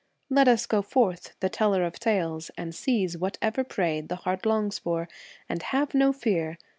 Let us go forth, the tellers of tales, and seize whatever prey the heart long for, and have no fear.